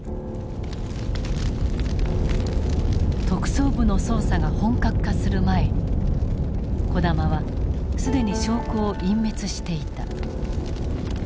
特捜部の捜査が本格化する前に児玉は既に証拠を隠滅していた。